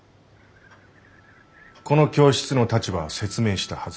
この教室の立場は説明したはずだ。